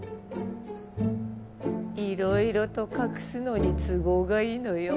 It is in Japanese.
いろいろと隠すのに都合がいいのよ。